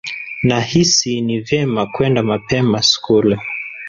Nahisi ni vyema kwenda mapema Skuli.